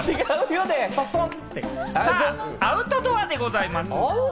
アウトドアでございます。